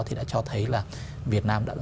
thì đã cho thấy là việt nam